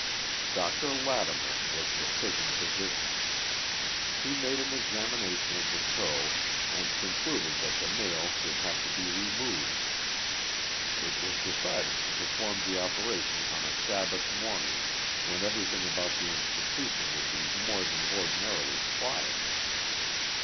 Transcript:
Dr. Latimer was the prison physician. lie made an exami nation of the toe and concluded that the nail would have to be 70 THE LIFE OF JESSE HARDING POMEROY. removed. It was decided to perform the operation on a Sabbath morning when everything about the institution would be more than ordinarily quiet.